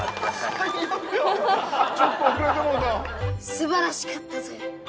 素晴らしかったぞよ。